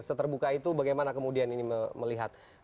seterbuka itu bagaimana kemudian ini melihat